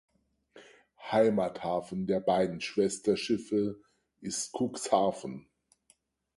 Heimathafen der beiden Schwesterschiffe ist Cuxhaven.